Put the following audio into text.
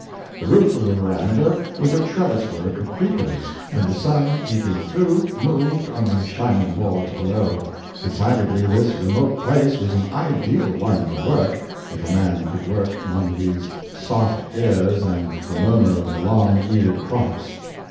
The roof of the verandah was a trellis work of creepers, and the sun peeping through moved on the shining boards below.[Pg 170] Decidedly this remote place was an ideal one for work, if a man could work among these soft airs and the murmur of the long eared crops.